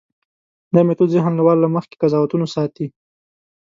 دا میتود ذهن له وار له مخکې قضاوتونو ساتي.